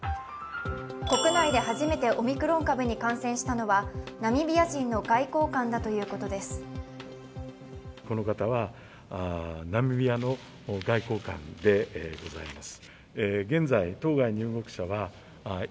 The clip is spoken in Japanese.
国内で初めてオミクロン株に感染したのはナミビア人の外交官だということです。